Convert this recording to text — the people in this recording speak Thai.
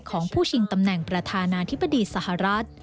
ของผู้ชิงตำแหน่งประธานาธิบดีสหรัฐ